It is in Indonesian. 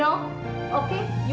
saya tidak peduli